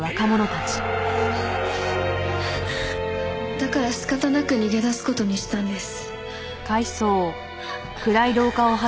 だから仕方なく逃げ出す事にしたんです。